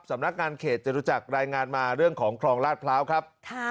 สำนักงานเขตจรุจักรรายงานมาเรื่องของคลองลาดพร้าวครับ